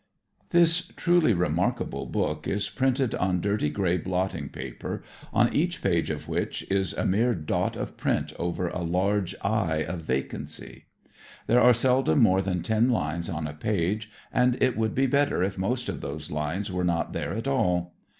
This truly remarkable book is printed on dirty gray blotting paper, on each page of which is a mere dot of print over a large I of vacancy. There are seldom more than ten lines on a page, and it would be better if most of those lines were not there at all.